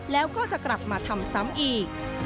แล้วก็จะกลับมาทำซ้ำอีก